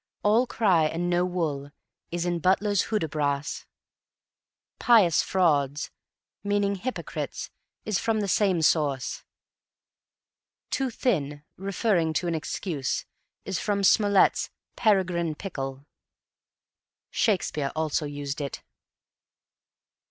"All cry and no wool" is in Butler's "Hudibras." "Pious frauds," meaning hypocrites, is from the same source. "Too thin," referring to an excuse, is from Smollett's "Peregrine Pickle." Shakespeare also used it.